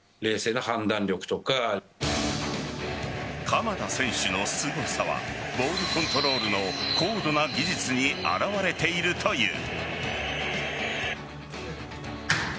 鎌田選手のすごさはボールコントロールの高度な技術に表れているという。